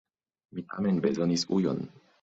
Mi tamen bezonis ujon.